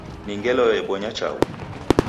Ni ngelo ebonya chaghu.